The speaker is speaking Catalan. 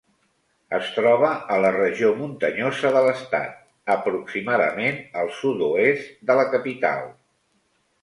Es troba a la regió muntanyosa de l'estat, aproximadament al sud-oest de la capital.